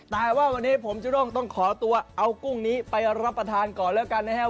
แต่ว่าวันนี้ผมจุด้งต้องขอตัวเอากุ้งนี้ไปรับประทานก่อนแล้วกันนะครับ